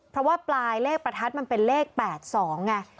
เพราะว่าปลายเลขประทัดมันเป็นเลข๘๒ไง